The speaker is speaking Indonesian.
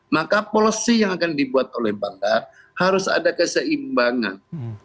maka policy yang akan dibuat oleh banggar harus ada keseimbangan